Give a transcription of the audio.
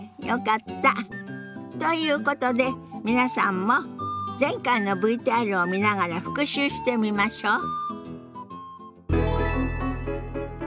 よかった。ということで皆さんも前回のＶＴＲを見ながら復習してみましょ。